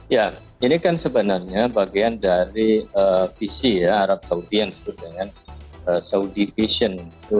ya ini kan sebenarnya bagian dari visi arab saudi yang disebut dengan saudi vision dua ribu tujuh belas